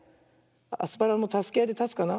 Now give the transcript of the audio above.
アスパラもたすけあいでたつかな。